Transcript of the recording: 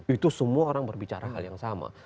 itu semua orang berbicara hal yang sama